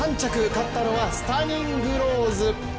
勝ったのはスタニングローズ。